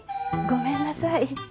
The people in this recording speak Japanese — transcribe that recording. ごめんなさい。